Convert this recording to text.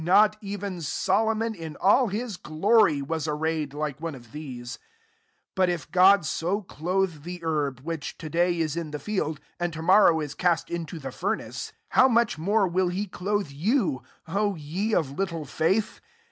Not even Solomon in adl ha glory was arpayed like one ^ these. 28 But if God so clothe the herb, which to day is in the field, and to morrow ift cast ii« to the furnace ; how much ttMe it^Uht ciothe yeu^ O ye of lilde faith